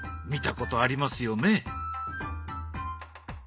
見たことありますよね？